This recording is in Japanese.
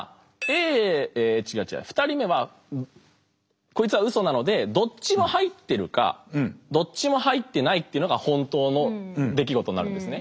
２人目はこいつはウソなのでどっちも入ってるかどっちも入ってないってのが本当の出来事になるんですね。